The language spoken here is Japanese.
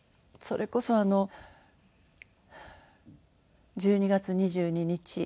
それこそあの１２月２２日。